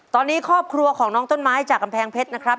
ตอนนี้ครอบครัวของน้องต้นไม้จากกำแพงเพชรนะครับ